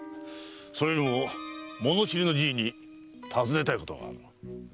それよりも物知りのじいに尋ねたいことがある。